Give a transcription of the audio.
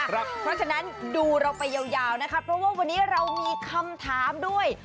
เพราะฉะนั้นดูเราไปยาวนะคะเพราะว่าวันนี้เรามีคำถามด้วย